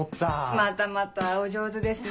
またまたお上手ですね。